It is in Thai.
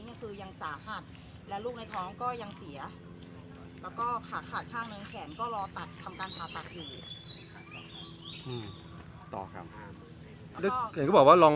นี่คือยังสหัสแล้วลูกในท้องก็ยังเสียแล้วก็ขาขาดช่าง